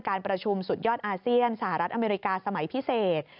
การประชุมสุดยอดอาเซียนสหรัฐอเมริกาสมัยพิเศษ